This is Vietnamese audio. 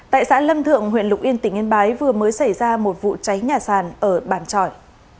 tại xã lâm thượng huyện lục yên tỉnh yên bái vừa mới xảy ra một vụ cháy nhà sàn ở bản trỏi